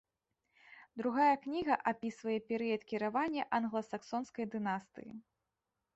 Другая кніга апісвае перыяд кіравання англасаксонскай дынастыі.